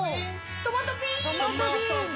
トマトビーンズ。